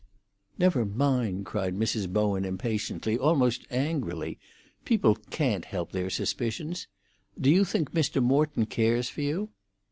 "Never mind!" cried Mrs. Bowen impatiently, almost angrily. "People can't help their suspicions! Do you think Mr. Morton cares for you?"